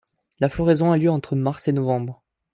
La floraison a lieu entre mars et novembre.